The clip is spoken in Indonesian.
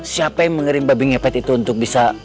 siapa yang mengerim babi ngepet itu untuk bisa